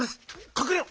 かくれろ！